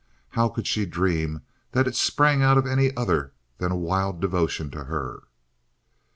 How could she dream that it sprang out of anything other than a wild devotion to her?